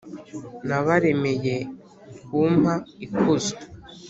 nabaremeye kumpa ikuzo,